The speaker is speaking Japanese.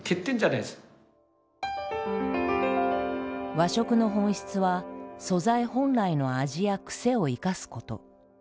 和食の本質は素材本来の味やクセを生かすこと。